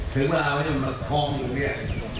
ถึงเวลาที่มันพร้อมอยู่เนี่ย